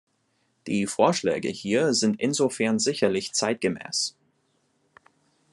Die Vorschläge hier sind in insofern sicherlich zeitgemäß.